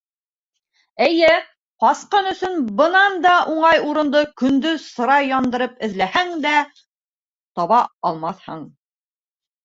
Эйе, ҡасҡын өсөн бынан да уңай урынды көндөҙ сыра яндырып эҙләһәң дә таба алмаҫһың.